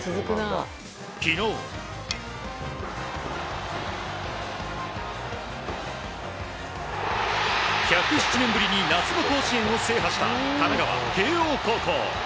昨日、１０７年ぶりに夏の甲子園を制覇した神奈川・慶応高校。